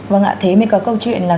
vâng ạ thế mình có câu chuyện là